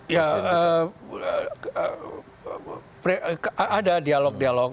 ya ada dialog dialog